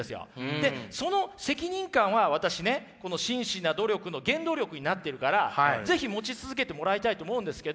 でその責任感は私ねこの真摯な努力の原動力になってるから是非持ち続けてもらいたいと思うんですけど。